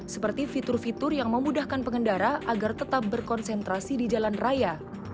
seperti fitur fitur yang memudahkan pengendara agar tetap berkonsentrasi di jalan raya